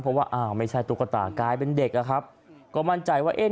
เพราะว่าอ้าวไม่ใช่ตุ๊กตากลายเป็นเด็กอะครับก็มั่นใจว่าเอ๊ะ